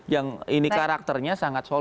yang ini karakternya sangat solid